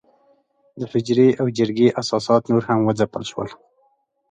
د حجرې او جرګې اساسات نور هم وځپل شول.